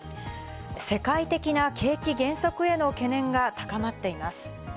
世界的な景気減速への懸念が高まっています。